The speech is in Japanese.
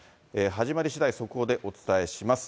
始まりしだい、速報でお伝えします。